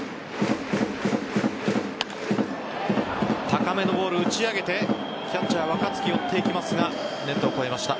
高めのボール、打ち上げてキャッチャー・若月追っていきますがネットを越えました。